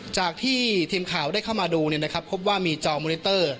จากที่ทีมข่าวได้เข้ามาดูนี่นะครับพบว่ามีจอมูลเตอร์